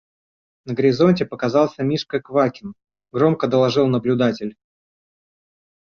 На горизонте показался Мишка Квакин! – громко доложил наблюдатель.